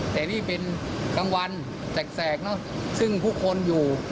แต่นี่เป็นกลางวันแสกเนอะซึ่งผู้คนอยู่